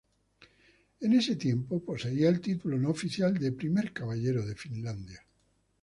En ese tiempo, poseía el título no oficial de "primer caballero" de Finlandia.